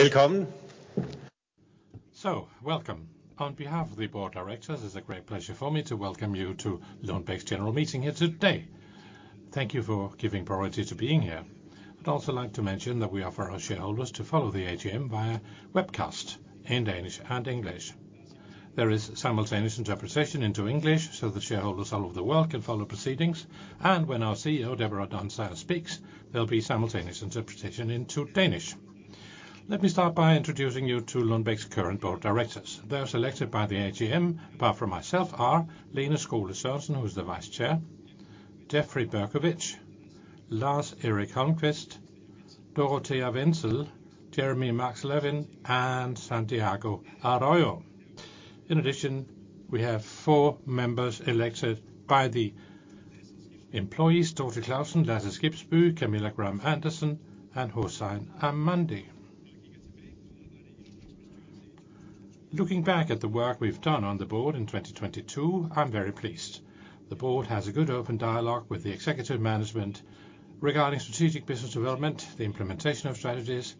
Welcome! So welcome. On behalf of the board of directors, it's a great pleasure for me to welcome you to Lundbeck's general meeting here today. Thank you for giving priority to being here. I'd also like to mention that we offer our shareholders to follow the AGM via webcast in Danish and English. There is simultaneous interpretation into English, so the shareholders all over the world can follow proceedings, and when our CEO, Deborah Dunsire, speaks, there'll be simultaneous interpretation into Danish. Let me start by introducing you to Lundbeck's current board of directors. Those elected by the AGM, apart from myself, are Lene Skole Sørensen, who is the vice chair, Jeffrey Berkowitz, Lars Erik Holmqvist, Dorothea Wenzel, Jeremy Max Levin, and Santiago Arroyo. In addition, we have four members elected by the employees: Dorte Clausen, Lasse Skibsbye, Camilla Gram-Andersen, and Hossein Armandi. Looking back at the work we've done on the board in twenty twenty-two, I'm very pleased. The board has a good, open dialogue with the executive management regarding strategic business development, the implementation of strategies,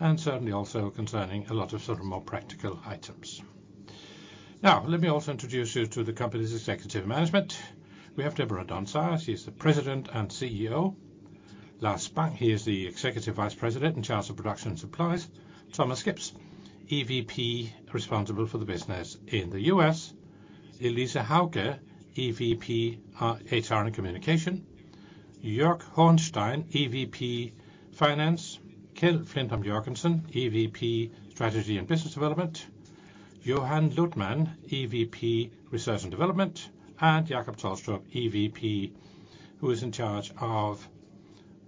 and certainly also concerning a lot of sort of more practical items. Now, let me also introduce you to the company's executive management. We have Deborah Dunsire, she's the President and CEO. Lars Bang, he is the executive vice president in charge of production and supplies. Thomas Gibbs, EVP responsible for the business in the US. Elise Hauge, EVP, HR and communication. Jörg Hornstein, EVP, finance. Keld Flintholm Jørgensen, EVP, strategy and business development. Johan Luthman, EVP, research and development, and Jacob Tolstrup, EVP, who is in charge of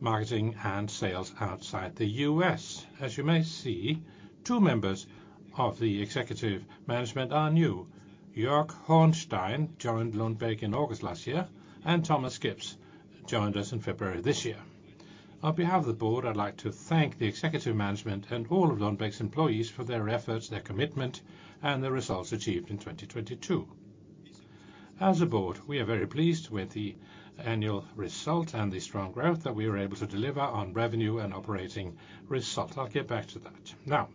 marketing and sales outside the US. As you may see, two members of the executive management are new. Jörg Hornstein joined Lundbeck in August last year, and Thomas Gibbs joined us in February this year. On behalf of the board, I'd like to thank the executive management and all of Lundbeck's employees for their efforts, their commitment, and the results achieved in 2022. As a board, we are very pleased with the annual result and the strong growth that we were able to deliver on revenue and operating results. I'll get back to that. Now,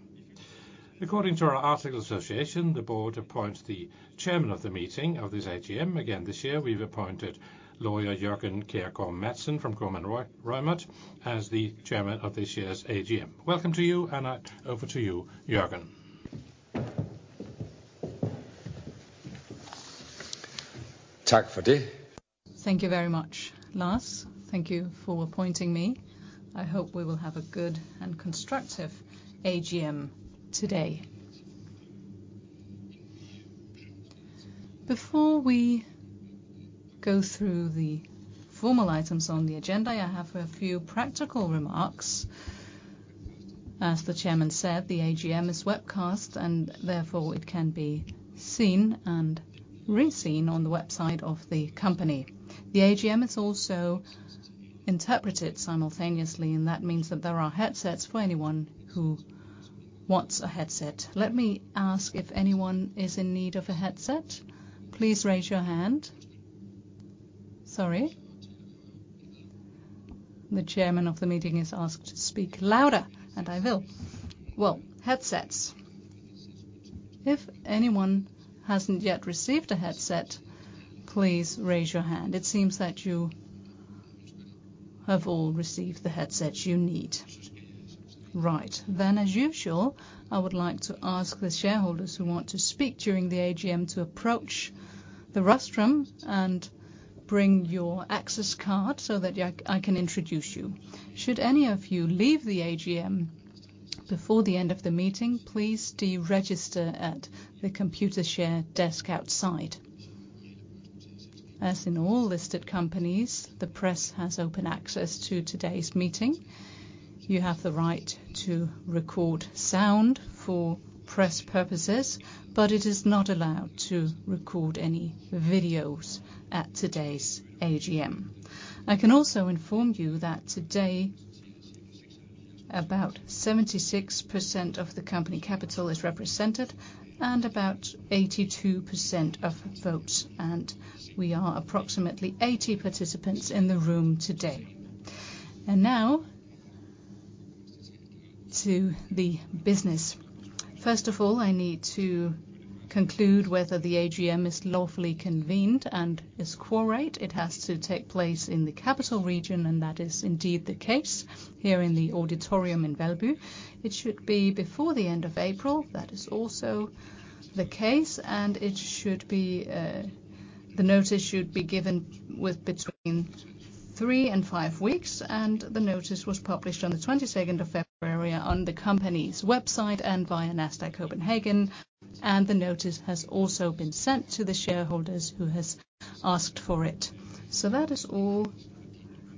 according to our articles of association, the board appoints the chairman of the meeting of this AGM. Again, this year, we've appointed lawyer Jørgen Kjergaard Madsen from Kromann Reumert as the chairman of this year's AGM. Welcome to you, and I hand over to you, Jørgen. Thank you very much, Lars. Thank you for appointing me. I hope we will have a good and constructive AGM today. Before we go through the formal items on the agenda, I have a few practical remarks. As the chairman said, the AGM is webcast, and therefore, it can be seen and re-seen on the website of the company. The AGM is also interpreted simultaneously, and that means that there are headsets for anyone who wants a headset. Let me ask if anyone is in need of a headset. Please raise your hand. Sorry. The chairman of the meeting has asked to speak louder, and I will. Well, headsets. If anyone hasn't yet received a headset, please raise your hand. It seems that you have all received the headsets you need. Right. Then, as usual, I would like to ask the shareholders who want to speak during the AGM to approach the rostrum and bring your access card so that I can introduce you. Should any of you leave the AGM before the end of the meeting, please deregister at the Computershare desk outside. As in all listed companies, the press has open access to today's meeting. You have the right to record sound for press purposes, but it is not allowed to record any videos at today's AGM. I can also inform you that today, about 76% of the company capital is represented and about 82% of votes, and we are approximately 80 participants in the room today. And now, to the business. First of all, I need to conclude whether the AGM is lawfully convened and is quorate. It has to take place in the Capital Region, and that is indeed the case here in the auditorium in Valby. It should be before the end of April. That is also the case, and it should be. The notice should be given with between three and five weeks, and the notice was published on the twenty-second of February on the company's website and via Nasdaq Copenhagen, and the notice has also been sent to the shareholders who has asked for it. So that is all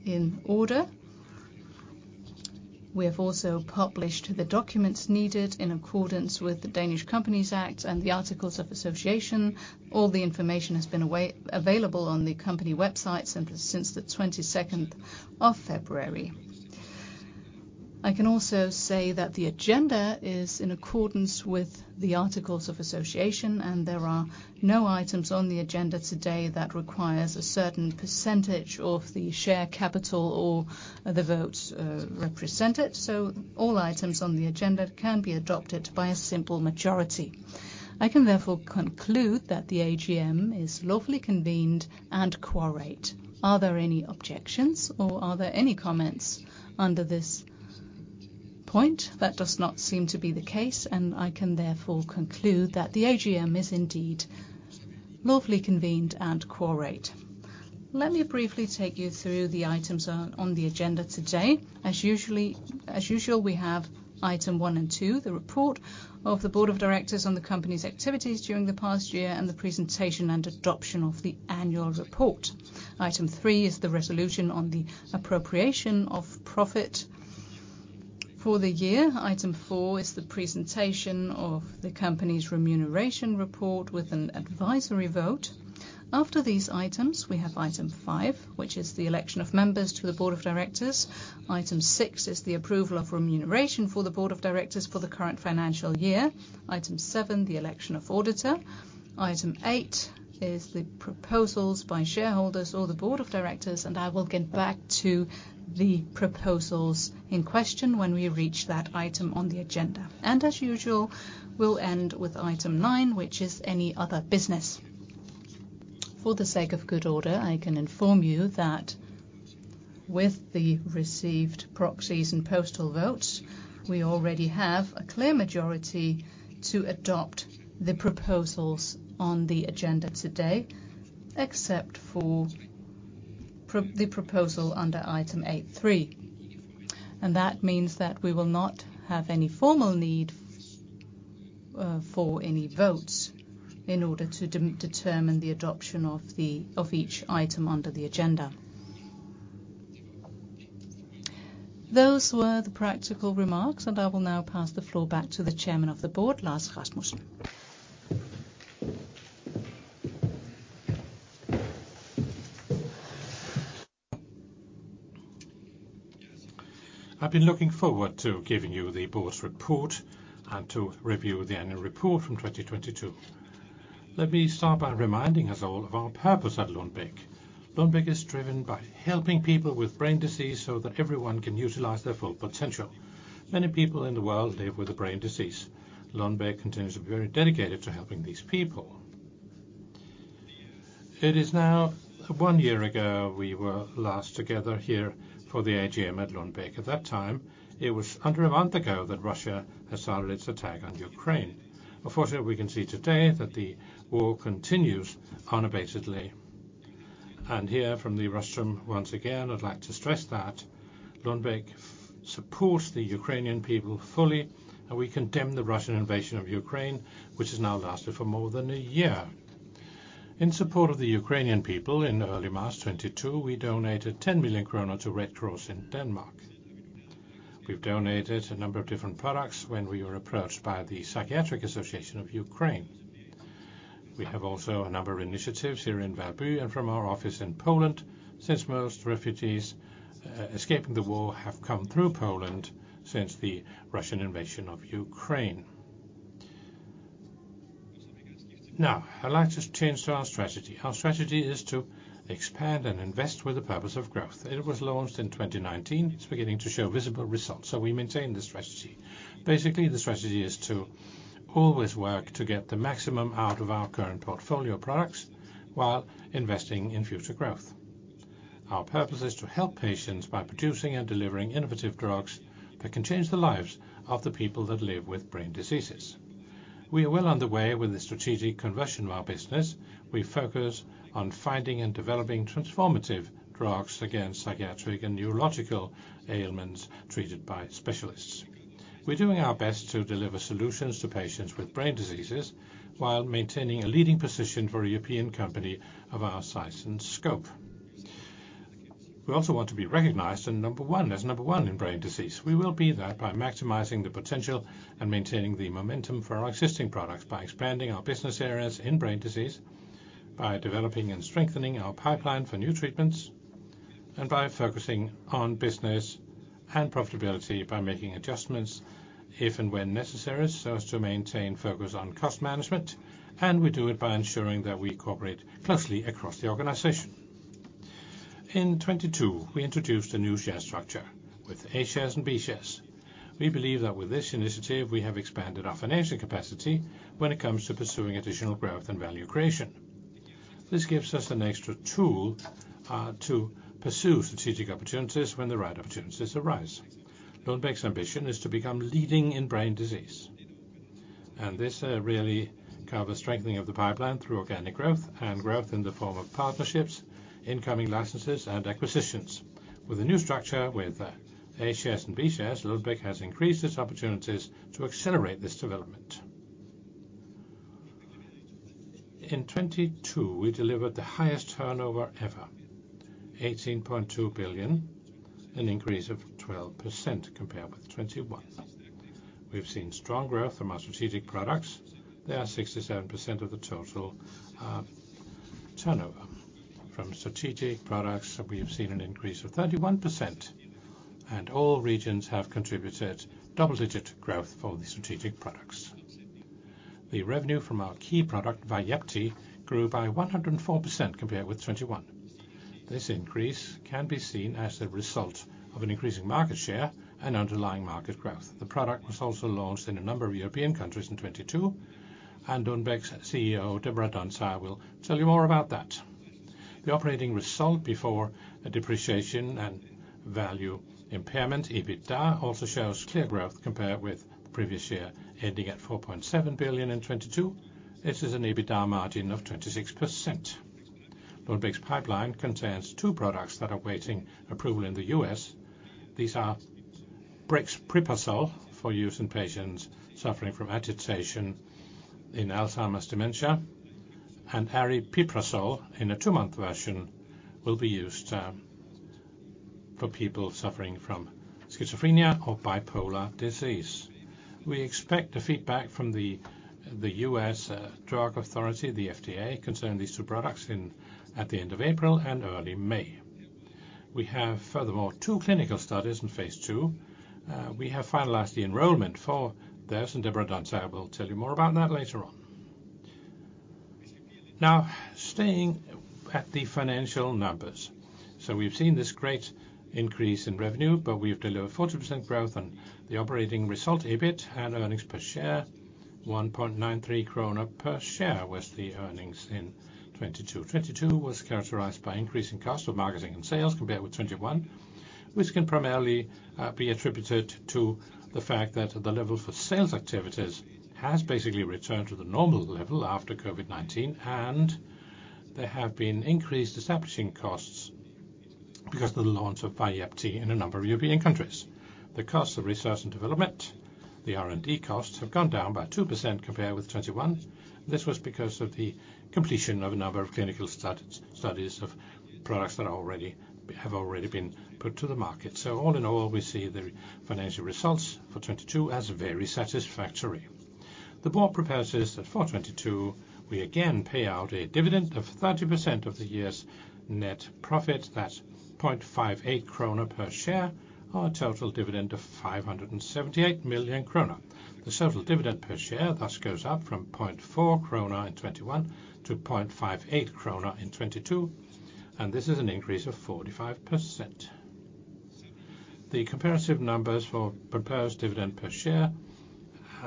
in order. We have also published the documents needed in accordance with the Danish Companies Act and the articles of association. All the information has been available on the company website since the twenty-second of February. I can also say that the agenda is in accordance with the articles of association, and there are no items on the agenda today that requires a certain percentage of the share capital or the votes, represented, so all items on the agenda can be adopted by a simple majority. I can therefore conclude that the AGM is lawfully convened and quorate. Are there any objections or are there any comments under this point? That does not seem to be the case, and I can therefore conclude that the AGM is indeed lawfully convened and quorate. Let me briefly take you through the items on the agenda today. As usual, we have item one and two, the report of the board of directors on the company's activities during the past year, and the presentation and adoption of the annual report. Item three is the resolution on the appropriation of profit for the year. Item four is the presentation of the company's remuneration report with an advisory vote. After these items, we have item five, which is the election of members to the Board of Directors. Item six is the approval of remuneration for the Board of Directors for the current financial year. Item seven, the election of auditor. Item eight is the proposals by shareholders or the Board of Directors, and I will get back to the proposals in question when we reach that item on the agenda, and as usual, we'll end with item nine, which is any other business. For the sake of good order, I can inform you that with the received proxies and postal votes, we already have a clear majority to adopt the proposals on the agenda today, except for the proposal under item eight three. And that means that we will not have any formal need for any votes in order to determine the adoption of each item under the agenda. Those were the practical remarks, and I will now pass the floor back to the Chairman of the Board, Lars Rasmussen. I've been looking forward to giving you the board's report and to review the annual report from 2022. Let me start by reminding us all of our purpose at Lundbeck. Lundbeck is driven by helping people with brain disease so that everyone can utilize their full potential. Many people in the world live with a brain disease. Lundbeck continues to be very dedicated to helping these people. It is now one year ago we were last together here for the AGM at Lundbeck. At that time, it was under a month ago that Russia has started its attack on Ukraine. Unfortunately, we can see today that the war continues unabatedly, and here from the rostrum, once again, I'd like to stress that Lundbeck supports the Ukrainian people fully, and we condemn the Russian invasion of Ukraine, which has now lasted for more than a year. In support of the Ukrainian people in early March 2022, we donated 10 million kroner to Red Cross in Denmark. We've donated a number of different products when we were approached by the Psychiatric Association of Ukraine. We have also a number of initiatives here in Valby and from our office in Poland, since most refugees escaping the war have come through Poland since the Russian invasion of Ukraine. Now, I'd like to change to our strategy. Our strategy is to expand and invest with the purpose of growth. It was launched in 2019. It's beginning to show visible results, so we maintain the strategy. Basically, the strategy is to always work to get the maximum out of our current portfolio of products while investing in future growth. Our purpose is to help patients by producing and delivering innovative drugs that can change the lives of the people that live with brain diseases. We are well on the way with the strategic conversion of our business. We focus on finding and developing transformative drugs against psychiatric and neurological ailments treated by specialists. We're doing our best to deliver solutions to patients with brain diseases while maintaining a leading position for a European company of our size and scope. We also want to be recognized as number one in brain disease. We will be there by maximizing the potential and maintaining the momentum for our existing products, by expanding our business areas in brain disease, by developing and strengthening our pipeline for new treatments, and by focusing on business and profitability, by making adjustments if and when necessary, so as to maintain focus on cost management, and we do it by ensuring that we cooperate closely across the organization. In 2022, we introduced a new share structure with A shares and B shares. We believe that with this initiative, we have expanded our financial capacity when it comes to pursuing additional growth and value creation. This gives us an extra tool to pursue strategic opportunities when the right opportunities arise. Lundbeck's ambition is to become leading in brain disease, and this really covers strengthening of the pipeline through organic growth and growth in the form of partnerships, incoming licenses, and acquisitions. With a new structure, with A shares and B shares, Lundbeck has increased its opportunities to accelerate this development. In 2022, we delivered the highest turnover ever, 18.2 billion, an increase of 12% compared with 2021. We've seen strong growth from our strategic products. They are 67% of the total turnover. From strategic products, we have seen an increase of 31%, and all regions have contributed double-digit growth for the strategic products. The revenue from our key product, Vyepti, grew by 104% compared with 2021. This increase can be seen as a result of an increasing market share and underlying market growth. The product was also launched in a number of European countries in 2022, and Lundbeck's CEO, Deborah Dunsire, will tell you more about that. The operating result before the depreciation and value impairment, EBITDA, also shows clear growth compared with the previous year, ending at 4.7 billion in 2022. This is an EBITDA margin of 26%. Lundbeck's pipeline contains two products that are awaiting approval in the U.S. These are brexpiprazole for use in patients suffering from agitation in Alzheimer's dementia, and aripiprazole, in a two-month version, will be used for people suffering from schizophrenia or bipolar disease. We expect the feedback from the U.S. drug authority, the FDA, concerning these two products in at the end of April and early May. We have, furthermore, two clinical studies in phase III We have finalized the enrollment for this, and Deborah Dunsire will tell you more about that later on. Now, staying at the financial numbers. So we've seen this great increase in revenue, but we have delivered 40% growth on the operating result, EBIT and earnings per share. 1.93 krone per share was the earnings in 2022. 2022 was characterized by increasing cost of marketing and sales compared with 2021, which can primarily be attributed to the fact that the level for sales activities has basically returned to the normal level after COVID-19, and there have been increased establishing costs because of the launch of Vyepti in a number of European countries. The cost of research and development, the R&D costs, have gone down by 2% compared with 2021. This was because of the completion of a number of clinical studies of products that have already been put to the market. So all in all, we see the financial results for 2022 as very satisfactory. The board proposes that for 2022, we again pay out a dividend of 30% of the year's net profit. That's 0.58 kroner per share, or a total dividend of 578 million kroner. The total dividend per share thus goes up from 0.4 kroner in 2021 to 0.58 kroner in 2022, and this is an increase of 45%. The comparative numbers for proposed dividend per share,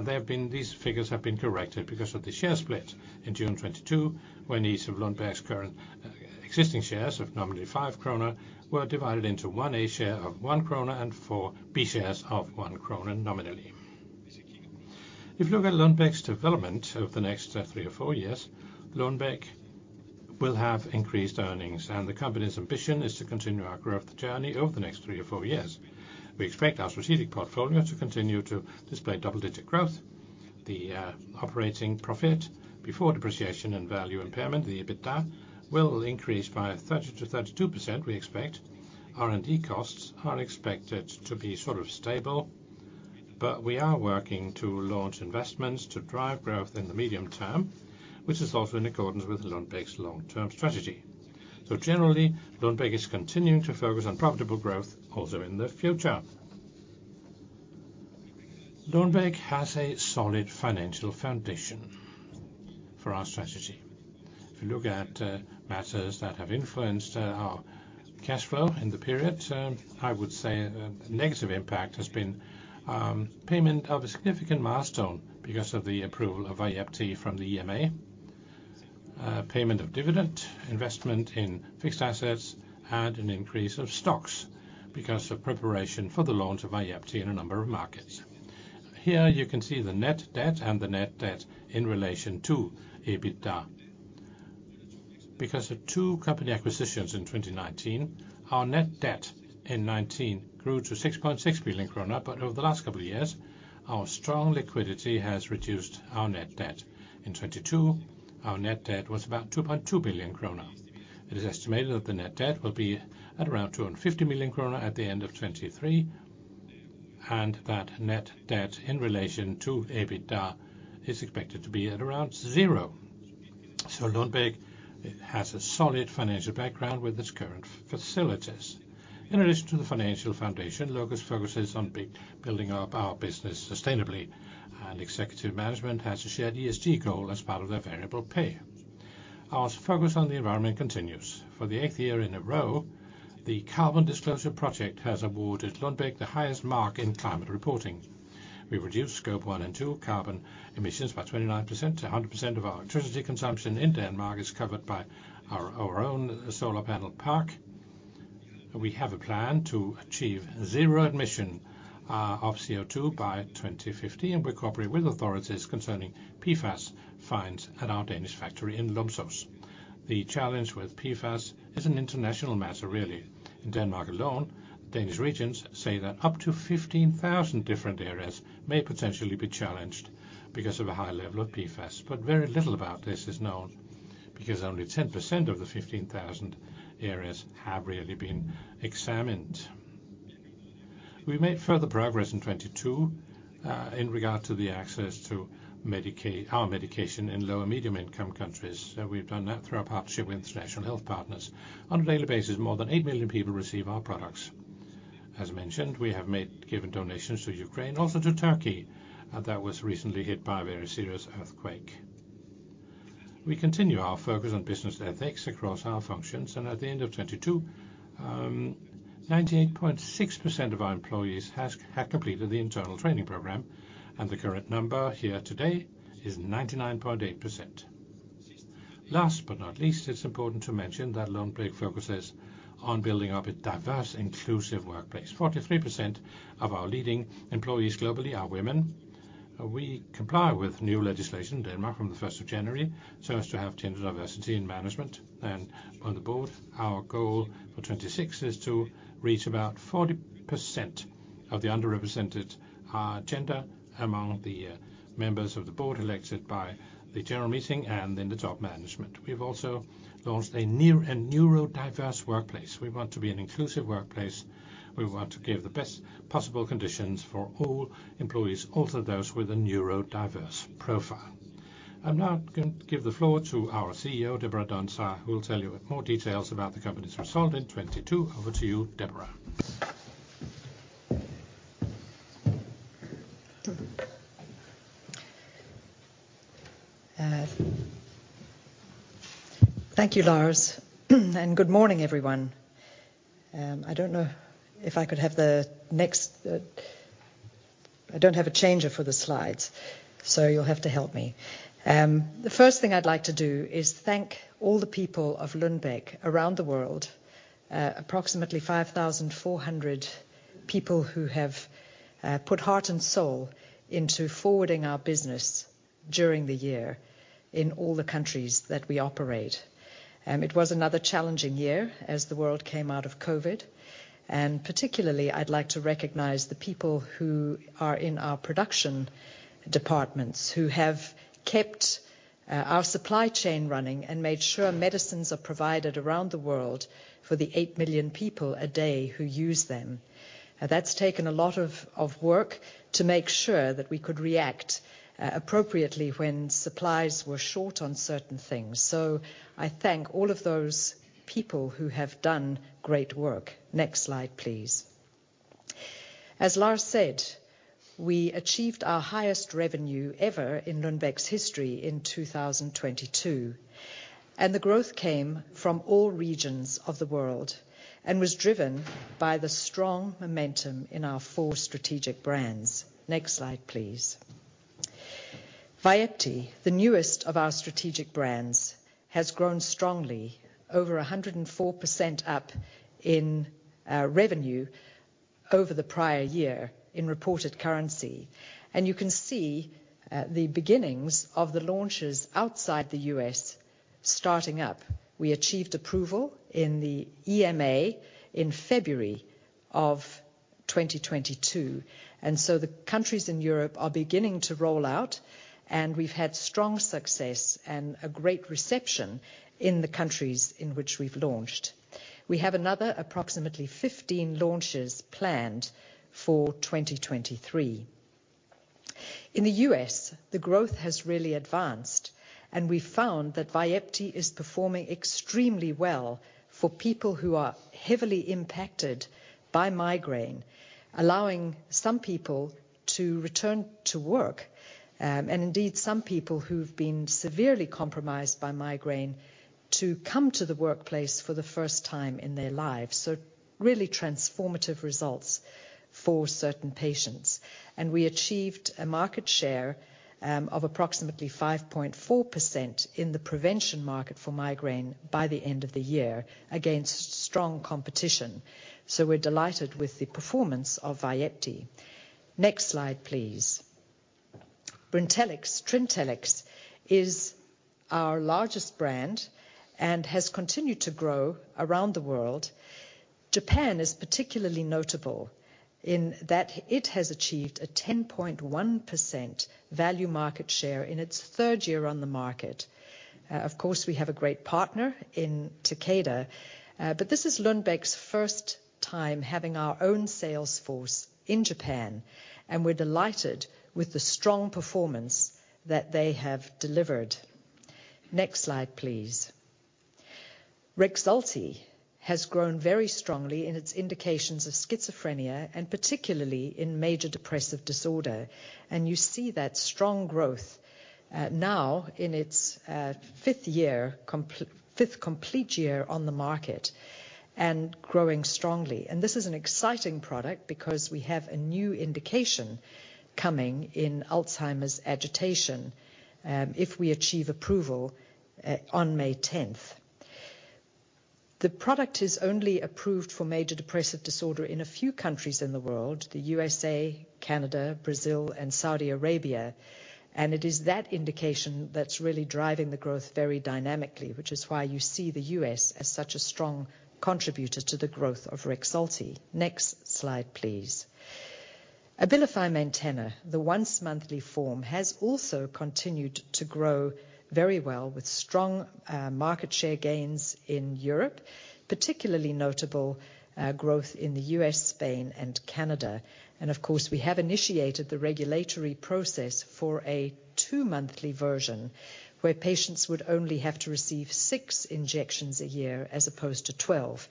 they have been... These figures have been corrected because of the share split in June 2022, when each of Lundbeck's current, existing shares of nominally 5 kroner were divided into one A share of 1 kroner and four B shares of 1 kroner, nominally. If you look at Lundbeck's development over the next three or four years, Lundbeck will have increased earnings, and the company's ambition is to continue our growth journey over the next three or four years. We expect our strategic portfolio to continue to display double-digit growth. The operating profit before depreciation and value impairment, the EBITDA, will increase by 30%-32%, we expect. R&D costs are expected to be sort of stable, but we are working to launch investments to drive growth in the medium term, which is also in accordance with Lundbeck's long-term strategy. Generally, Lundbeck is continuing to focus on profitable growth also in the future. Lundbeck has a solid financial foundation for our strategy. If you look at matters that have influenced our cash flow in the period, I would say the negative impact has been payment of a significant milestone because of the approval of Vyepti from the EMA, payment of dividend, investment in fixed assets, and an increase of stocks because of preparation for the launch of Vyepti in a number of markets. Here, you can see the net debt and the net debt in relation to EBITDA. Because of two company acquisitions in 2019, our net debt in 2019 grew to 6.6 billion krone, but over the last couple of years, our strong liquidity has reduced our net debt. In 2022, our net debt was about 2.2 billion kroner. It is estimated that the net debt will be at around 250 million kroner at the end of 2023, and that net debt in relation to EBITDA is expected to be at around zero. So Lundbeck has a solid financial background with its current facilities. In addition to the financial foundation, Lundbeck focuses on building up our business sustainably, and executive management has a shared ESG goal as part of their variable pay. Our focus on the environment continues. For the eighth year in a row, the Carbon Disclosure Project has awarded Lundbeck the highest mark in climate reporting. We've reduced Scope 1 and 2 carbon emissions by 29% to 100% of our electricity consumption, and Denmark is covered by our own solar panel park. We have a plan to achieve zero emission of CO2 by 2050, and we cooperate with authorities concerning PFAS finds at our Danish factory in Lumsås. The challenge with PFAS is an international matter, really. In Denmark alone, Danish Regions say that up to 15,000 different areas may potentially be challenged because of a high level of PFAS, but very little about this is known, because only 10% of the 15,000 areas have really been examined. We made further progress in 2022 in regard to the access to our medication in low and medium income countries. We've done that through our partnership with International Health Partners. On a daily basis, more than 8 million people receive our products. As mentioned, we have given donations to Ukraine, also to Turkey that was recently hit by a very serious earthquake. We continue our focus on business ethics across our functions, and at the end of 2022, 98.6% of our employees had completed the internal training program, and the current number here today is 99.8%. Last but not least, it's important to mention that Lundbeck focuses on building up a diverse, inclusive workplace. 43% of our leading employees globally are women. We comply with new legislation in Denmark from the first of January, so as to have gender diversity in management and on the board. Our goal for 2026 is to reach about 40% of the underrepresented gender among the members of the board, elected by the general meeting and in the top management. We've also launched a neurodiverse workplace. We want to be an inclusive workplace. We want to give the best possible conditions for all employees, also those with a neurodiverse profile. I'll now give the floor to our CEO, Deborah Dunsire, who will tell you more details about the company's result in 2022. Over to you, Deborah. Thank you, Lars, and good morning, everyone. I don't know if I could have the next. I don't have a changer for the slides, so you'll have to help me. The first thing I'd like to do is thank all the people of Lundbeck around the world. Approximately 5,400 people who have put heart and soul into forwarding our business during the year in all the countries that we operate. It was another challenging year as the world came out of COVID, and particularly, I'd like to recognize the people who are in our production departments, who have kept our supply chain running and made sure medicines are provided around the world for the 8 million people a day who use them. That's taken a lot of work to make sure that we could react appropriately when supplies were short on certain things. So I thank all of those people who have done great work. Next slide, please. As Lars said, we achieved our highest revenue ever in Lundbeck's history in two thousand twenty-two, and the growth came from all regions of the world and was driven by the strong momentum in our four strategic brands. Next slide, please. Vyepti, the newest of our strategic brands, has grown strongly, over 104% up in revenue over the prior year in reported currency, and you can see the beginnings of the launches outside the U.S. starting up. We achieved approval in the EMA in February of 2022, and so the countries in Europe are beginning to roll out, and we've had strong success and a great reception in the countries in which we've launched. We have another approximately 15 launches planned for 2023. In the US, the growth has really advanced, and we found that Vyepti is performing extremely well for people who are heavily impacted by migraine, allowing some people to return to work, and indeed, some people who've been severely compromised by migraine to come to the workplace for the first time in their lives, so really transformative results for certain patients. And we achieved a market share of approximately 5.4% in the prevention market for migraine by the end of the year, against strong competition. So we're delighted with the performance of Vyepti. Next slide, please. Brintellix. Brintellix is our largest brand and has continued to grow around the world. Japan is particularly notable in that it has achieved a 10.1% value market share in its third year on the market. Of course, we have a great partner in Takeda, but this is Lundbeck's first time having our own sales force in Japan, and we're delighted with the strong performance that they have delivered. Next slide, please. Rexulti has grown very strongly in its indications of schizophrenia and particularly in major depressive disorder, and you see that strong growth now in its fifth complete year on the market and growing strongly, and this is an exciting product because we have a new indication coming in Alzheimer's agitation, if we achieve approval on May tenth. The product is only approved for major depressive disorder in a few countries in the world: the USA, Canada, Brazil, and Saudi Arabia, and it is that indication that's really driving the growth very dynamically, which is why you see the US as such a strong contributor to the growth of Rexulti. Next slide, please. Abilify Maintena, the once monthly form, has also continued to grow very well with strong market share gains in Europe, particularly notable growth in the US, Spain, and Canada. And of course, we have initiated the regulatory process for a two-monthly version, where patients would only have to receive six injections a year as opposed to 12,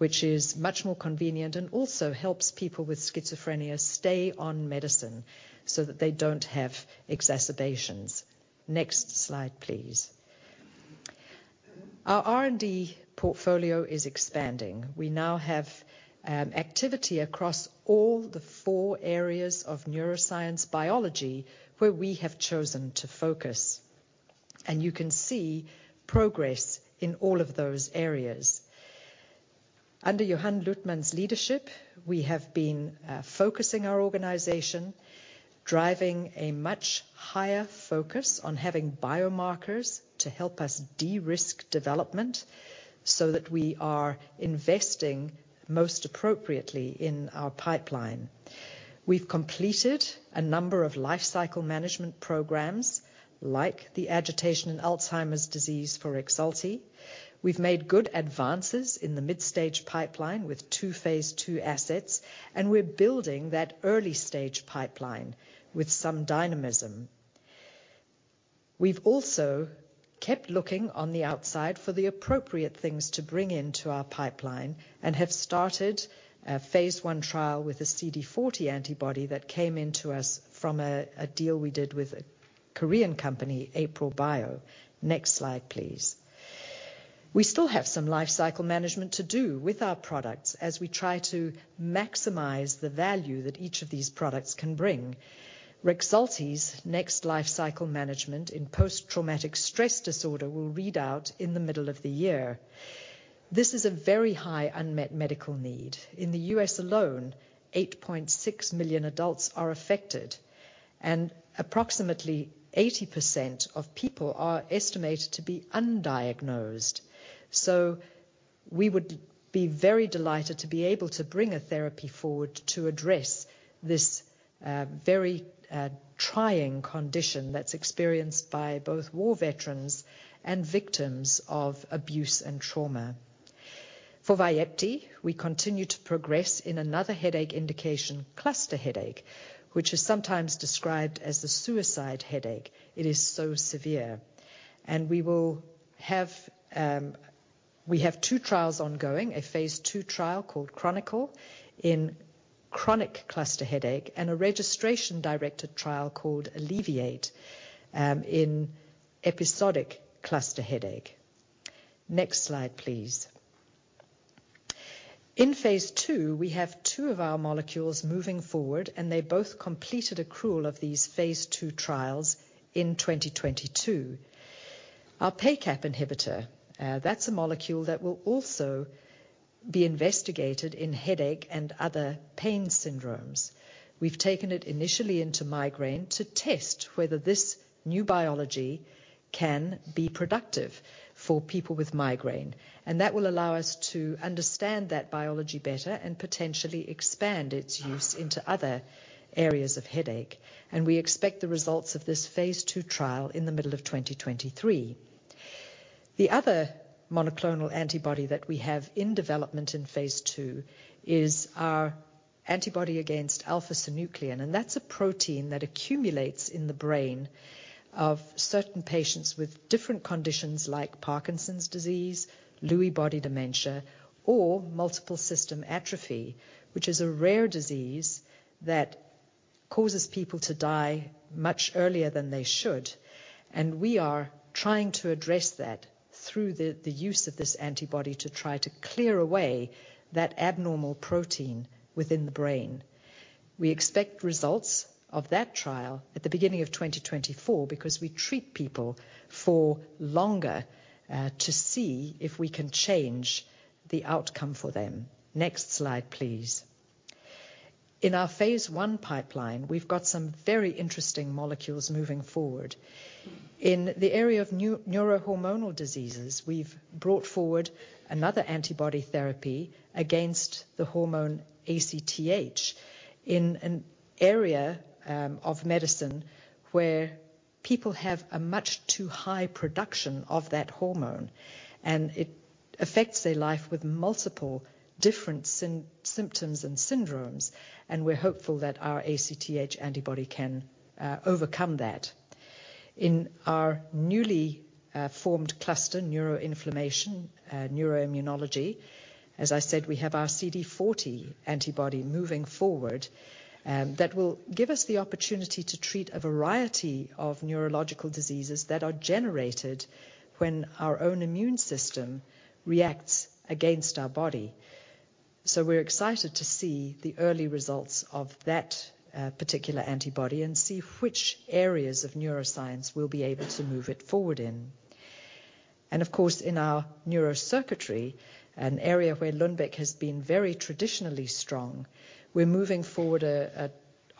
which is much more convenient and also helps people with schizophrenia stay on medicine, so that they don't have exacerbations. Next slide, please. Our R&D portfolio is expanding. We now have activity across all the four areas of neuroscience biology, where we have chosen to focus, and you can see progress in all of those areas. Under Johan Luthman's leadership, we have been focusing our organization, driving a much higher focus on having biomarkers to help us de-risk development, so that we are investing most appropriately in our pipeline. We've completed a number of life cycle management programs, like the agitation in Alzheimer's disease for Rexulti. We've made good advances in the mid-stage pipeline with two phase II assets, and we're building that early stage pipeline with some dynamism. We've also kept looking on the outside for the appropriate things to bring into our pipeline and have started a phase II trial with a CD40 antibody that came into us from a deal we did with a Korean company, AprilBio. Next slide, please. We still have some life cycle management to do with our products as we try to maximize the value that each of these products can bring. Rexulti's next life cycle management in post-traumatic stress disorder will read out in the middle of the year. This is a very high unmet medical need. In the U.S. alone, 8.6 million adults are affected, and approximately 80% of people are estimated to be undiagnosed. So we would be very delighted to be able to bring a therapy forward to address this, very, trying condition that's experienced by both war veterans and victims of abuse and trauma. For Vyepti, we continue to progress in another headache indication, cluster headache, which is sometimes described as the suicide headache. It is so severe. And we will have... We have two trials ongoing, a phase II trial called Chronicle in chronic cluster headache, and a registration-directed trial called Alleviate in episodic cluster headache. Next slide, please. In phase II, we have two of our molecules moving forward, and they both completed accrual of these phase II trials in 2022. Our PACAP inhibitor, that's a molecule that will also be investigated in headache and other pain syndromes. We've taken it initially into migraine to test whether this new biology can be productive for people with migraine, and that will allow us to understand that biology better and potentially expand its use into other areas of headache, and we expect the results of this phase II trial in the middle of 2023. The other monoclonal antibody that we have in development in phase II is our antibody against alpha-synuclein, and that's a protein that accumulates in the brain of certain patients with different conditions like Parkinson's disease, Lewy body dementia, or multiple system atrophy, which is a rare disease that causes people to die much earlier than they should, and we are trying to address that through the use of this antibody, to try to clear away that abnormal protein within the brain. We expect results of that trial at the beginning of twenty twenty-four, because we treat people for longer to see if we can change the outcome for them. Next slide, please. In our phase I pipeline, we've got some very interesting molecules moving forward. In the area of neurohormonal diseases, we've brought forward another antibody therapy against the hormone ACTH, in an area of medicine where people have a much too high production of that hormone, and it affects their life with multiple different symptoms and syndromes, and we're hopeful that our ACTH antibody can overcome that. In our newly formed cluster neuroinflammation, neuroimmunology, as I said, we have our CD40 antibody moving forward, that will give us the opportunity to treat a variety of neurological diseases that are generated when our own immune system reacts against our body. So we're excited to see the early results of that particular antibody and see which areas of neuroscience we'll be able to move it forward in. Of course, in our neurocircuitry, an area where Lundbeck has been very traditionally strong, we're moving forward a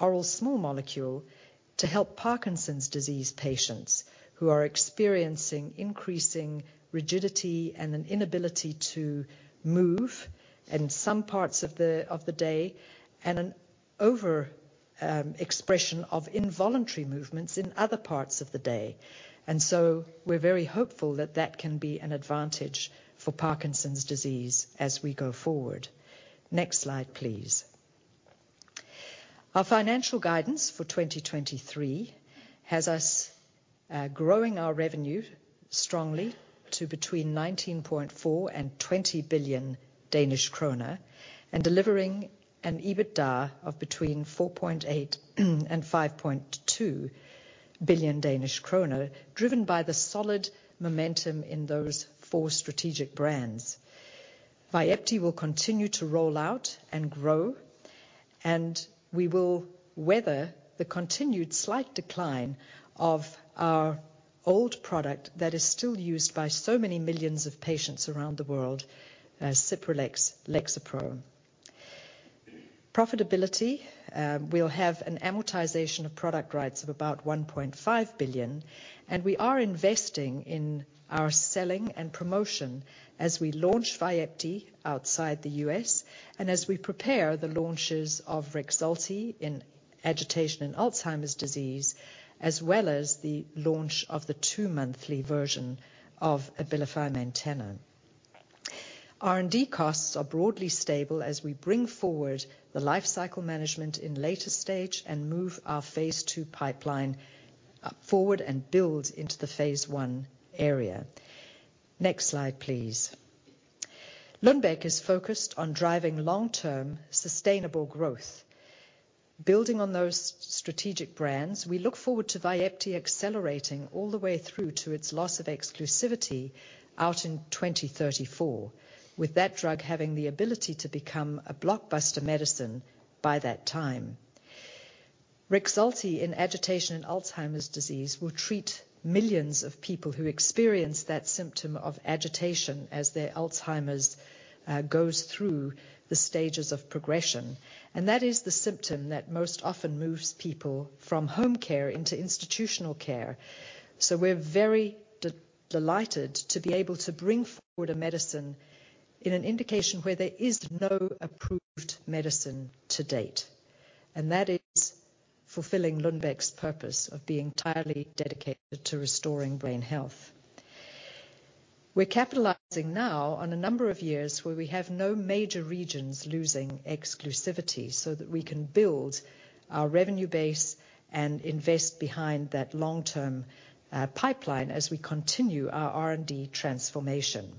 oral small molecule to help Parkinson's disease patients who are experiencing increasing rigidity and an inability to move in some parts of the day, and an over expression of involuntary movements in other parts of the day. So we're very hopeful that that can be an advantage for Parkinson's disease as we go forward. Next slide, please. Our financial guidance for 2023 has us growing our revenue strongly to between 19.4 billion and 20 billion Danish kroner, and delivering an EBITDA of between 4.8 billion and 5.2 billion Danish kroner, driven by the solid momentum in those four strategic brands.... Vyepti will continue to roll out and grow, and we will weather the continued slight decline of our old product that is still used by so many millions of patients around the world, as Cipralex, Lexapro. Profitability, we'll have an amortization of product rights of about 1.5 billion, and we are investing in our selling and promotion as we launch Vyepti outside the US, and as we prepare the launches of Rexulti in agitation and Alzheimer's disease, as well as the launch of the two-monthly version of Abilify Maintena. R&D costs are broadly stable as we bring forward the life cycle management in later stage, and move our phase II pipeline, forward and build into the phase I area. Next slide, please. Lundbeck is focused on driving long-term, sustainable growth. Building on those strategic brands, we look forward to Vyepti accelerating all the way through to its loss of exclusivity out in 2034, with that drug having the ability to become a blockbuster medicine by that time. Rexulti in agitation and Alzheimer's disease will treat millions of people who experience that symptom of agitation as their Alzheimer's goes through the stages of progression. And that is the symptom that most often moves people from home care into institutional care. So we're very delighted to be able to bring forward a medicine in an indication where there is no approved medicine to date, and that is fulfilling Lundbeck's purpose of being entirely dedicated to restoring brain health. We're capitalizing now on a number of years where we have no major regions losing exclusivity, so that we can build our revenue base and invest behind that long-term pipeline as we continue our R&D transformation.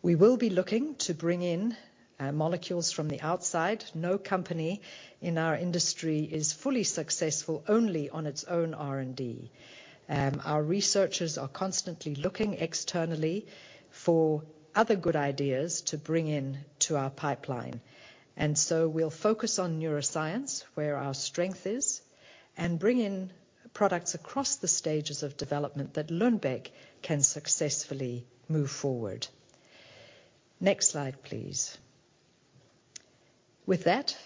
We will be looking to bring in molecules from the outside. No company in our industry is fully successful only on its own R&D. Our researchers are constantly looking externally for other good ideas to bring in to our pipeline. And so we'll focus on neuroscience, where our strength is, and bring in products across the stages of development that Lundbeck can successfully move forward. Next slide, please. With that,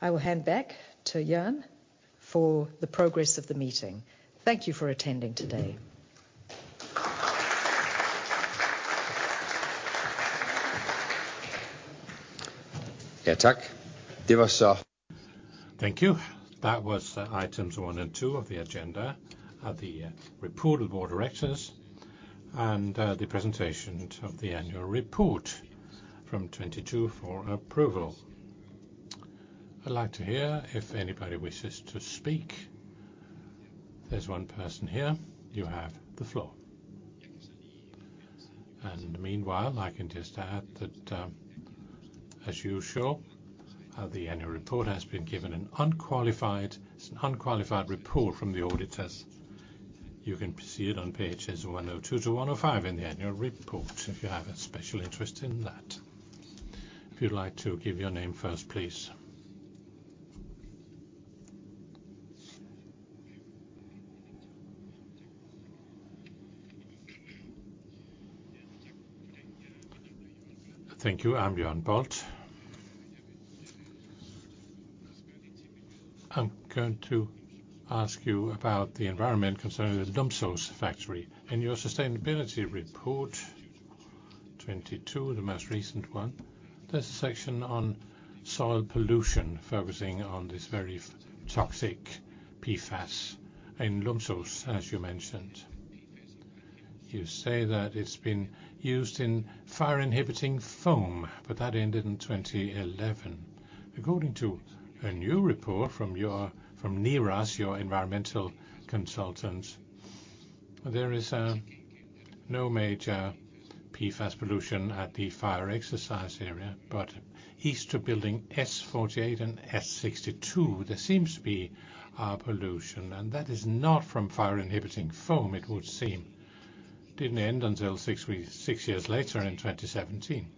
I will hand back to Jørgen for the progress of the meeting. Thank you for attending today. Thank you. That was items one and two of the agenda, are the report of board of directors and the presentation of the annual report from 2022 for approval. I'd like to hear if anybody wishes to speak. There's one person here. You have the floor. In the meanwhile, I can just add that, as usual, the annual report has been given an unqualified report from the auditors. You can see it on pages 102 to 105 in the annual report, if you have a special interest in that. If you'd like to give your name first, please. Thank you. I'm Jørn Bolt. I'm going to ask you about the environment concerning the Lumsås factory. In your sustainability report, 2022, the most recent one, there's a section on soil pollution, focusing on this very toxic PFAS in Lumsås, as you mentioned. You say that it's been used in fire-inhibiting foam, but that ended in 2011. According to a new report from NIRAS, your environmental consultant, there is no major PFAS pollution at the fire exercise area, but east to building S 48 and S 62, there seems to be pollution, and that is not from fire-inhibiting foam it would seem. It didn't end until six years later in 2017.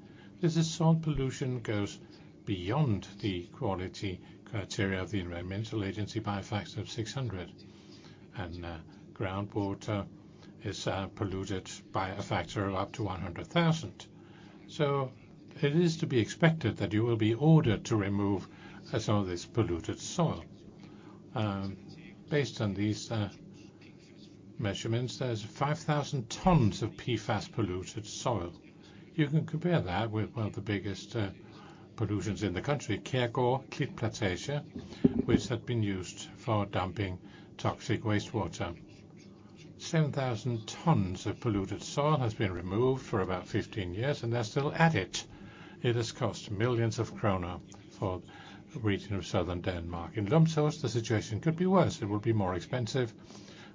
This soil pollution goes beyond the quality criteria of the Environmental Agency by a factor of 600, and groundwater is polluted by a factor of up to 100,000. So it is to be expected that you will be ordered to remove some of this polluted soil. Based on these measurements, there's 5,000 tons of PFAS polluted soil. You can compare that with one of the biggest pollutions in the country, Kærgaard Klitplantage, which had been used for dumping toxic wastewater. 7,000 tons of polluted soil has been removed for about 15 years, and they're still at it. It has cost millions of krona for the Region of Southern Denmark. In Lumsås, the situation could be worse. It will be more expensive.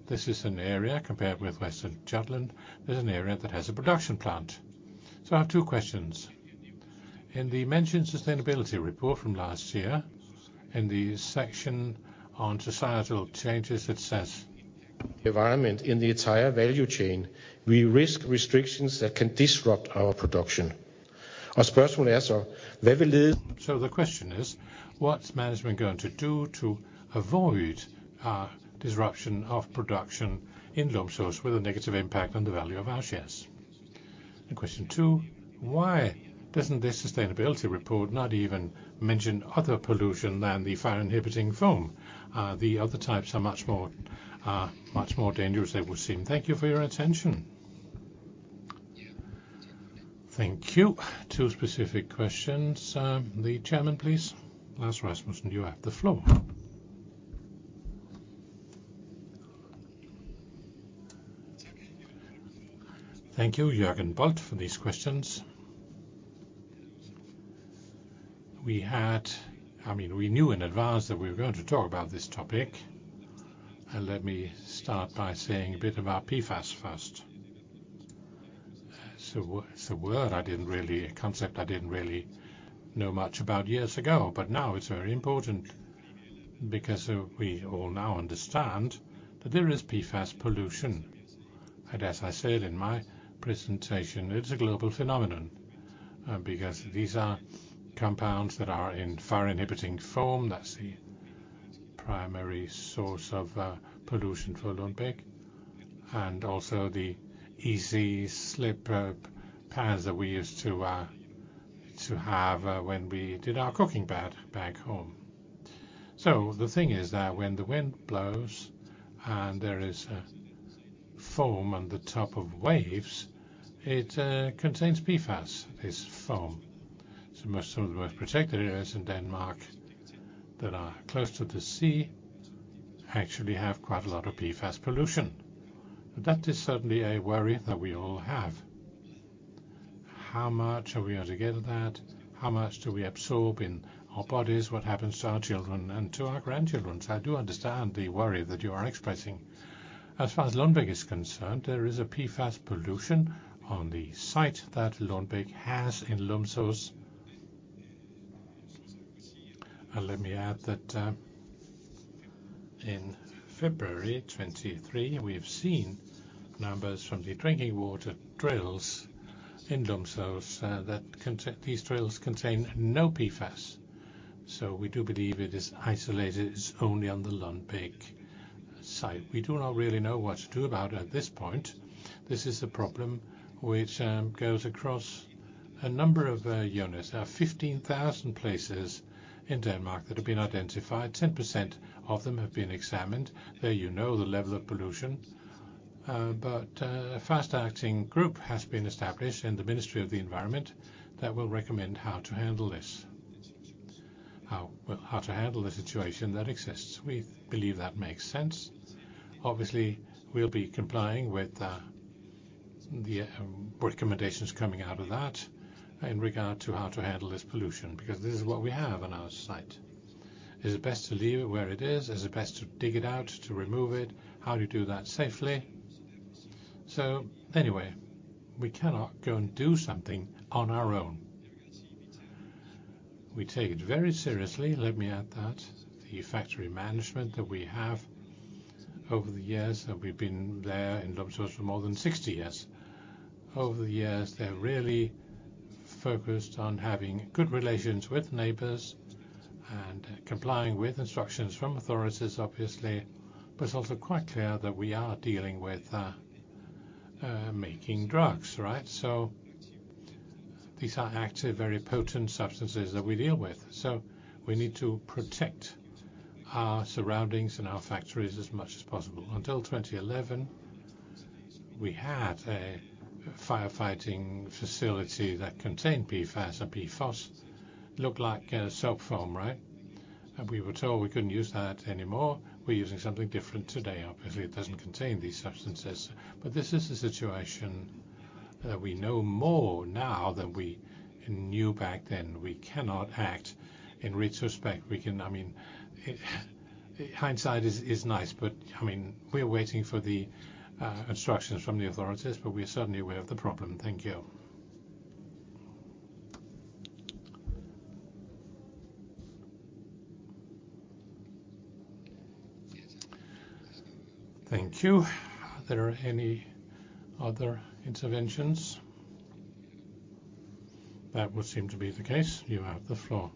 This is an area, compared with Western Jutland, is an area that has a production plant. So I have two questions. In the mentioned sustainability report from last year, in the section on societal changes, it says, environment in the entire value chain, we risk restrictions that can disrupt our production. The question is, what's management going to do to avoid disruption of production in Lumsås with a negative impact on the value of our shares? Question two, why doesn't this sustainability report not even mention other pollution than the fire inhibiting foam? The other types are much more dangerous, they would seem. Thank you for your attention. Thank you. Two specific questions. The chairman, please. Lars Rasmussen, you have the floor. Thank you, Jørgen Bolt, for these questions. I mean, we knew in advance that we were going to talk about this topic, and let me start by saying a bit about PFAS first. It's a concept I didn't really know much about years ago, but now it's very important because we all now understand that there is PFAS pollution. As I said in my presentation, it's a global phenomenon because these are compounds that are in firefighting foam. That's the primary source of pollution for Lundbeck, and also the easy slip pads that we used to have when we did our cooking bags back home. The thing is that when the wind blows and there is a foam on the top of waves, it contains PFAS, this foam. Most of the protected areas in Denmark that are close to the sea actually have quite a lot of PFAS pollution. That is certainly a worry that we all have. How much are we to get that? How much do we absorb in our bodies? What happens to our children and to our grandchildren? I do understand the worry that you are expressing. As far as Lundbeck is concerned, there is a PFAS pollution on the site that Lundbeck has in Lumsås. Let me add that, in February 2023, we have seen numbers from the drinking water drills in Lumsås that contain no PFAS, so we do believe it is isolated. It's only on the Lundbeck site. We do not really know what to do about it at this point. This is a problem which goes across a number of units. There are 15,000 places in Denmark that have been identified. 10% of them have been examined. There you know the level of pollution. But a fast-acting group has been established in the Ministry of the Environment that will recommend how to handle this. How, well, how to handle the situation that exists. We believe that makes sense. Obviously, we'll be complying with the recommendations coming out of that in regard to how to handle this pollution, because this is what we have on our site. Is it best to leave it where it is? Is it best to dig it out, to remove it? How do you do that safely? So anyway, we cannot go and do something on our own. We take it very seriously, let me add that. The factory management that we have over the years, that we've been there in Lumsås for more than sixty years. Over the years, they're really focused on having good relations with neighbors and complying with instructions from authorities, obviously. But it's also quite clear that we are dealing with making drugs, right? These are active, very potent substances that we deal with, so we need to protect our surroundings and our factories as much as possible. Until 2011, we had a firefighting facility that contained PFAS and PFOS. Looked like a soap foam, right? And we were told we couldn't use that anymore. We're using something different today. Obviously, it doesn't contain these substances. But this is a situation that we know more now than we knew back then. We cannot act in retrospect. We can... I mean, hindsight is nice, but, I mean, we're waiting for the instructions from the authorities, but we are certainly aware of the problem. Thank you. Thank you. Are there any other interventions? That would seem to be the case. You have the floor.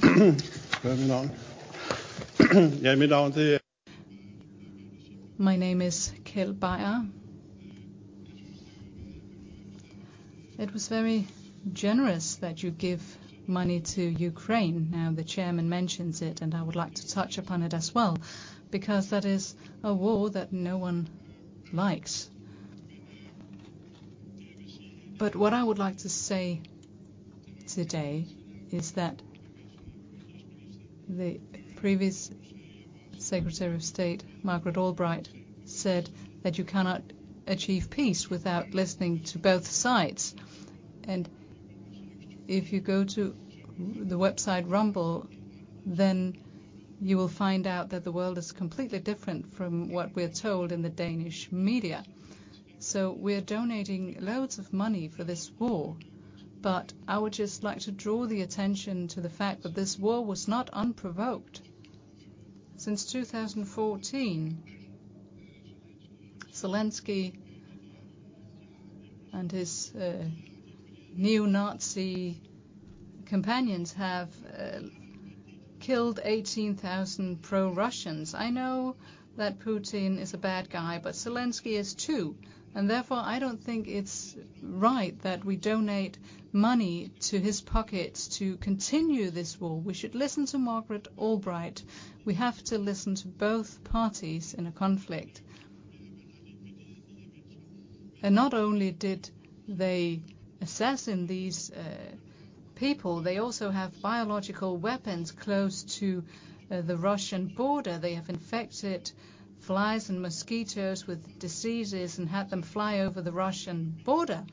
Good afternoon. Good afternoon. My name is Keld Beyer. It was very generous that you give money to Ukraine. Now, the chairman mentions it, and I would like to touch upon it as well, because that is a war that no one likes. But what I would like to say today is that the previous Secretary of State, Madeleine Albright, said that you cannot achieve peace without listening to both sides. If you go to the website Rumble, then you will find out that the world is completely different from what we're told in the Danish media. So we're donating loads of money for this war, but I would just like to draw the attention to the fact that this war was not unprovoked. Since two thousand and fourteen, Zelenskyy and his new Nazi companions have killed 18,000 pro-Russians. I know that Putin is a bad guy, but Zelenskyy is, too, and therefore, I don't think it's right that we donate money to his pockets to continue this war. We should listen to Madeleine Albright. We have to listen to both parties in a conflict. Not only did they assassinate these people, they also have biological weapons close to the Russian border. They have infected flies and mosquitoes with diseases and had them fly over the Russian border.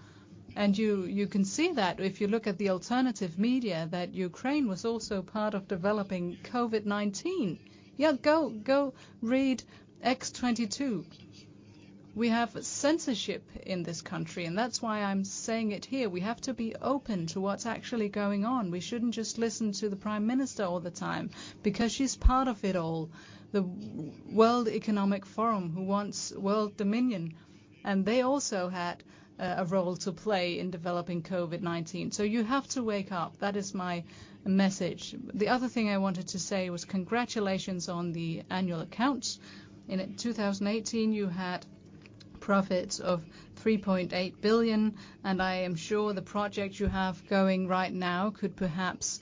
And you, you can see that if you look at the alternative media, that Ukraine was also part of developing COVID-19. Yeah, go, go read X22. We have censorship in this country, and that's why I'm saying it here. We have to be open to what's actually going on. We shouldn't just listen to the prime minister all the time, because she's part of it all. The World Economic Forum, who wants world dominion, and they also had a role to play in developing COVID-19, so you have to wake up. That is my message. The other thing I wanted to say was congratulations on the annual accounts. In 2018, you had profits of 3.8 billion, and I am sure the projects you have going right now could perhaps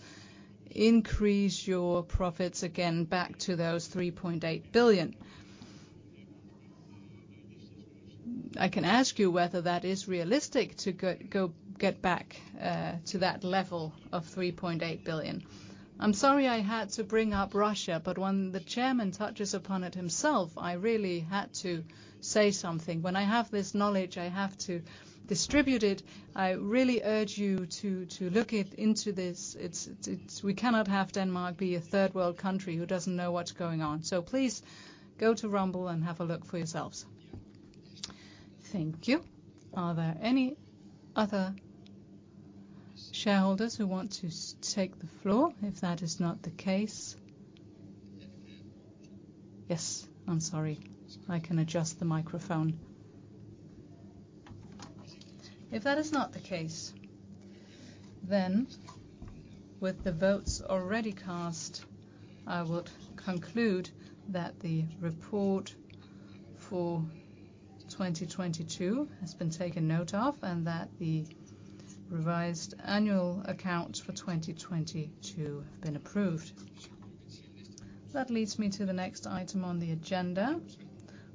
increase your profits again back to those 3.8 billion. Can I ask you whether that is realistic to go get back to that level of 3.8 billion? I'm sorry I had to bring up Russia, but when the chairman touches upon it himself, I really had to say something. When I have this knowledge, I have to distribute it. I really urge you to look into it. It's... We cannot have Denmark be a third-world country who doesn't know what's going on. So please go to Rumble and have a look for yourselves. Thank you. Are there any other shareholders who want to take the floor? If that is not the case... Yes, I'm sorry. I can adjust the microphone. If that is not the case, then with the votes already cast, I would conclude that the report for 2022 has been taken note of, and that the revised annual accounts for 2022 have been approved. That leads me to the next item on the agenda,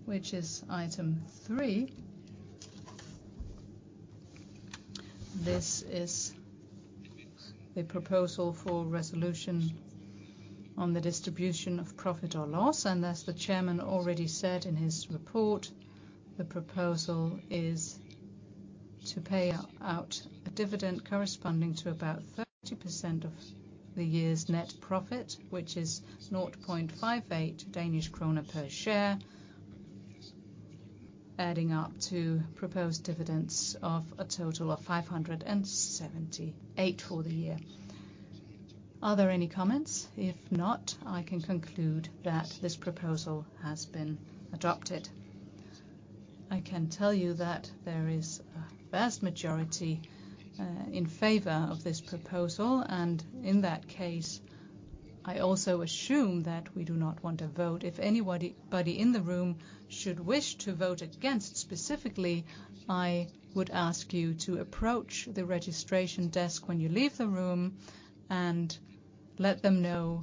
which is item three. This is the proposal for resolution on the distribution of profit or loss, and as the chairman already said in his report, the proposal is to pay out a dividend corresponding to about 30% of the year's net profit, which is 0.58 Danish kroner per share, adding up to proposed dividends of a total of 578 for the year. Are there any comments? If not, I can conclude that this proposal has been adopted. I can tell you that there is a vast majority in favor of this proposal, and in that case, I also assume that we do not want to vote. If anybody in the room should wish to vote against, specifically, I would ask you to approach the registration desk when you leave the room and let them know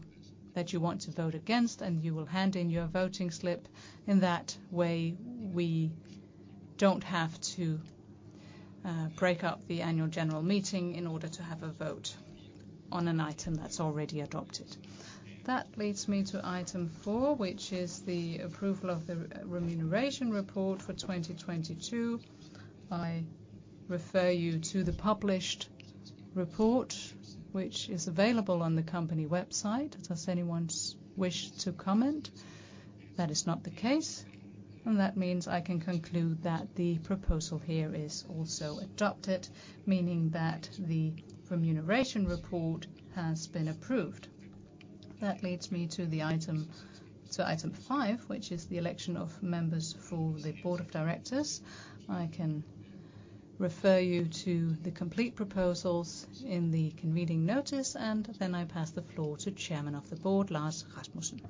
that you want to vote against, and you will hand in your voting slip. In that way, we don't have to break up the annual general meeting in order to have a vote on an item that's already adopted. That leads me to item four, which is the approval of the remuneration report for twenty twenty-two. I refer you to the published report, which is available on the company website. Does anyone wish to comment? That is not the case, and that means I can conclude that the proposal here is also adopted, meaning that the remuneration report has been approved. That leads me to the item, to item five, which is the election of members for the Board of Directors. I can refer you to the complete proposals in the convening notice, and then I pass the floor to Chairman of the Board, Lars Rasmussen.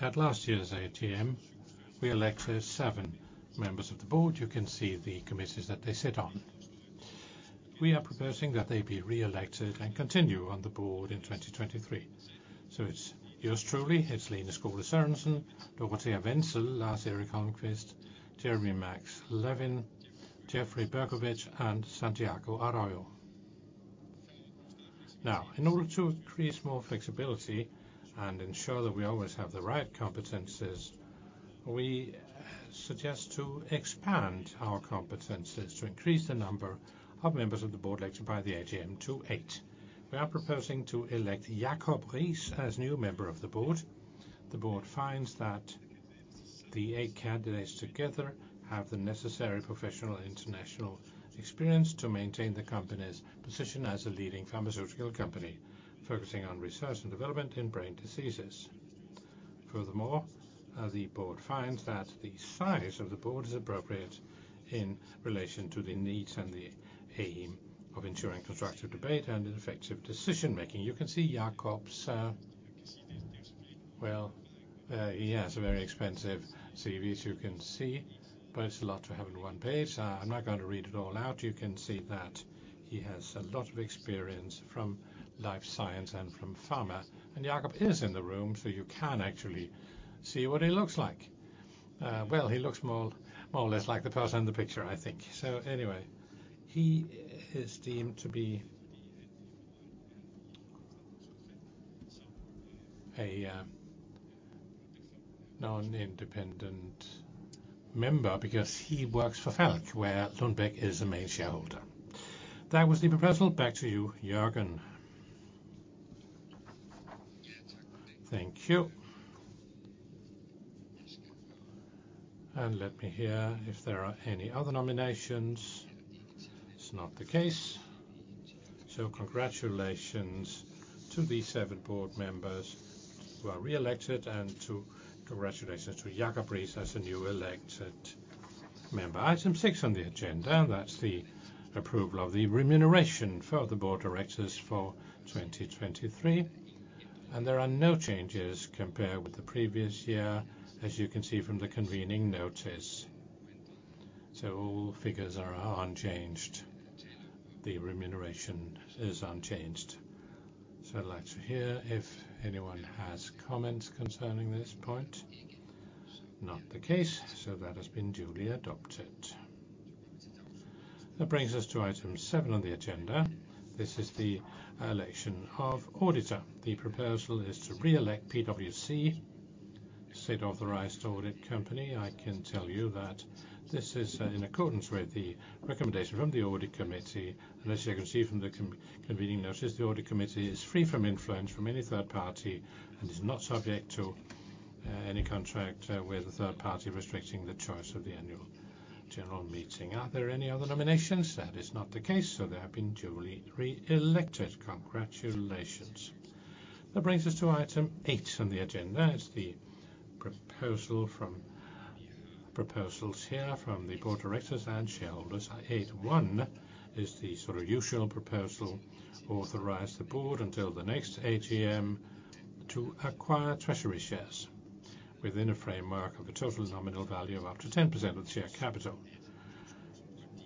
At last year's AGM, we elected seven members of the board. You can see the committees that they sit on. We are proposing that they be re-elected and continue on the board in 2023. So it's yours truly, it's Lene Skole Sørensen, Dorothea Wenzel, Lars Erik Holmqvist, Jeremy Max Levin, Jeffrey Berkowitz, and Santiago Arroyo. Now, in order to increase more flexibility and ensure that we always have the right competencies, we suggest to expand our competencies to increase the number of members of the board elected by the AGM to eight. We are proposing to elect Jakob Riis as new member of the board. The board finds that the eight candidates together have the necessary professional international experience to maintain the company's position as a leading pharmaceutical company, focusing on research and development in brain diseases. Furthermore, the board finds that the size of the board is appropriate in relation to the needs and the aim of ensuring constructive debate and effective decision making. You can see Jacob's, well, he has a very expensive CV, as you can see, but it's a lot to have on one page. I'm not going to read it all out. You can see that he has a lot of experience from life science and from pharma, and Jacob is in the room, so you can actually see what he looks like. Well, he looks more or less like the person in the picture, I think. So anyway, he is deemed to be a non-independent member because he works for Falck, where Lundbeck is a main shareholder. That was the proposal. Back to you, Jørgen. Thank you. And let me hear if there are any other nominations. It's not the case, so congratulations to the seven board members who are reelected, and congratulations to Jakob Riis as a newly elected member. Item six on the agenda, that's the approval of the remuneration for the board of directors for 2023, and there are no changes compared with the previous year, as you can see from the convening notice. So all figures are unchanged. The remuneration is unchanged. So I'd like to hear if anyone has comments concerning this point. Not the case, so that has been duly adopted. That brings us to item seven on the agenda. This is the election of auditor. The proposal is to re-elect PwC, state-authorized audit company. I can tell you that this is in accordance with the recommendation from the audit committee. As you can see from the convening notice, the audit committee is free from influence from any third party and is not subject to any contract with a third party restricting the choice of the annual general meeting. Are there any other nominations? That is not the case, so they have been duly re-elected. Congratulations. That brings us to item eight on the agenda. It is the proposals here from the board of directors and shareholders. Eight one is the sort of usual proposal: authorize the board until the next AGM to acquire treasury shares within a framework of a total nominal value of up to 10% of the share capital.